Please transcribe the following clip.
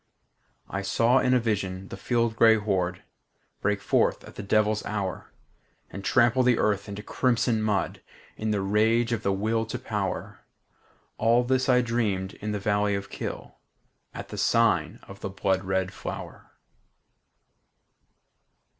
I saw in a vision the field gray horde Break forth at the devil's hour, And trample the earth into crimson mud In the rage of the Will to Power, All this I dreamed in the valley of Kyll, At the sign of the blood red flower.